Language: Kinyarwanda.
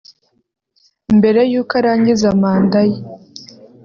mbere y’ uko arangiza manda ye